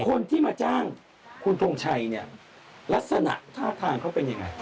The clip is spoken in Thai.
คนที่มาจ้างคุณทงชัยเนี่ยลักษณะท่าทางเขาเป็นยังไง